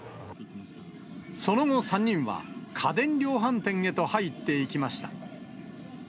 その後、３人は家電量販店へと入っていきました。